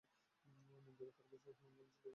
মন্দিরে তার অবস্থা কেমন ছিল তা দেখেছিলে?